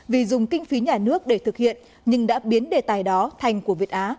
vì dùng kinh phí nhà nước để thực hiện nhưng đã biến đề tài đó thành của việt á